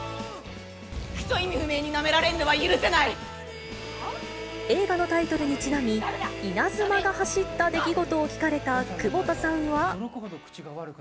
クソ意味不明になめられるの映画のタイトルにちなみ、イナズマが走った出来事を聞かれた窪田さんは。